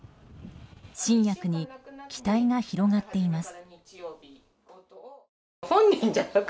新薬に期待が広がっています。